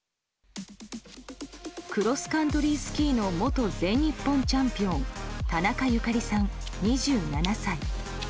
クロスカントリースキーの元全日本チャンピオン田中ゆかりさん、２７歳。